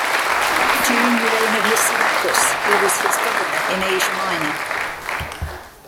During the reign of Lysimachus he was his governor in Asia Minor.